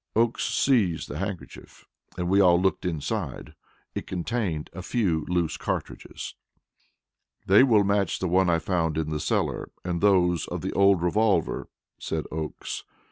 Oakes seized the handkerchief, and we all looked inside. It contained a few large cartridges. "They match the one I found in the cellar, and those of the old revolver," said Oakes.